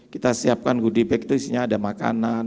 kita siapkan goodie bag itu isinya ada makanan